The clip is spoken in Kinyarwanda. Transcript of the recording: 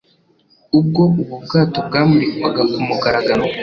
ubwo ubu bwato bwamurikwaga ku mugaragaro